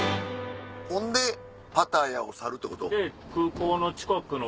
ほんでパタヤを去るってこと？